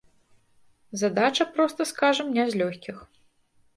Задача, проста скажам, не з лёгкіх.